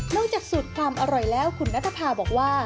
จากสูตรความอร่อยแล้วคุณนัทภาบอกว่า